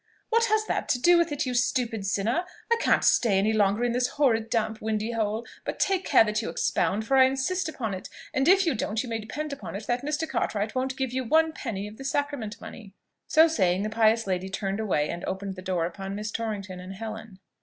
"What has that to do with it, you stupid sinner? I can't stay any longer in this horrid, damp, windy hole; but take care that you expound, for I insist upon it; and if you don't you may depend upon it Mr. Cartwright won't give you one penny of the sacrament money." So saying, the pious lady turned away and opened the door upon Miss Torrington and Helen.